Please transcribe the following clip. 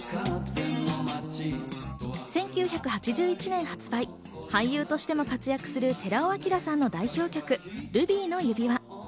１９８１年発売、俳優としても活躍する寺尾聰さんの代表曲『ルビーの指環』。